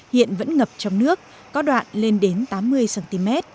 hiện vẫn ngập trong nước có đoạn lên đến tám mươi cm